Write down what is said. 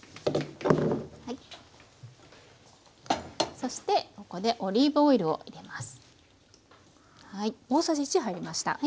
そしてここでオリーブオイルを入れます。